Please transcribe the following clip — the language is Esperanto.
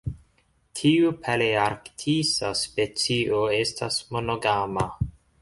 Tiu palearktisa specio estas monogama.